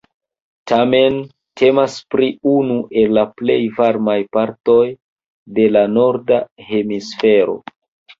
Tamen temas pri unu el la plej varmaj partoj de la norda hemisfero.